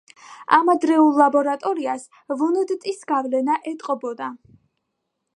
ამ ადრეულ ლაბორატორიას ვუნდტის გავლენა ეტყობოდა.